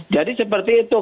jadi seperti itu